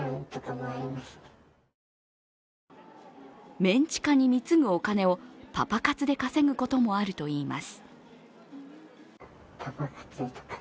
メン地下に貢ぐお金をパパ活で稼ぐこともあるといいます。